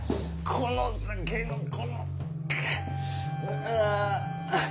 この先のこのくッ。